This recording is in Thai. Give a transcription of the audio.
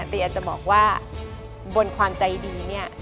แต่อยากจะบอกว่าบนความใจดี